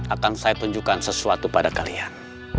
akan saya tunjukkan sesuatu pada kalian